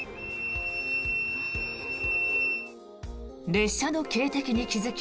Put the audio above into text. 列車の警笛に気付き